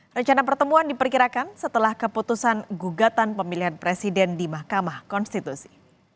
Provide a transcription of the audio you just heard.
rencana pertemuan diperkirakan setelah keputusan gugatan pemilihan presiden di mahkamah konstitusi